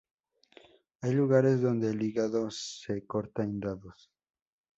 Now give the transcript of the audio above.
Hay lugares donde el hígado se corta en dados.